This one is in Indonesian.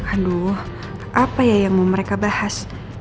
aduh apa ya yang mau mereka bahas